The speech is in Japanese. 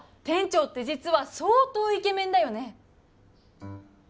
店長って実は相当イケメンだよね